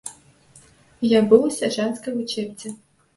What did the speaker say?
Я быў у сяржанцкай вучэбцы.